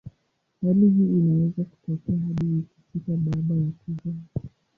Hali hii inaweza kutokea hadi wiki sita baada ya kuzaa.